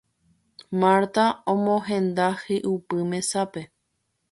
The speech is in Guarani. Marta omohenda hi'upy mesápe